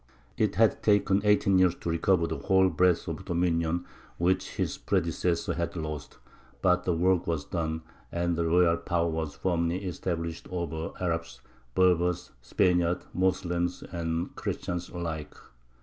] It had taken eighteen years to recover the whole breadth of dominion which his predecessors had lost; but the work was done, and the royal power was firmly established over Arabs, Berbers, Spaniards, Moslems and Christians alike.